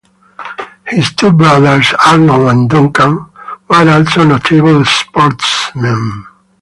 His two brothers Arnold and Duncan were also notable sportsmen.